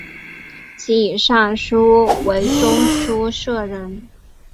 其以善书为中书舍人。